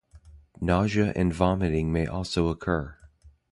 Nausea and vomiting may also occur.